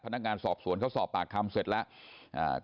พนักงานสอบสวนเขาสอบปากคำเสร็จแล้ว